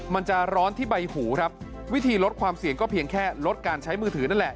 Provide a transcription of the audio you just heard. มันจะร้อนที่ใบหูครับวิธีลดความเสี่ยงก็เพียงแค่ลดการใช้มือถือนั่นแหละ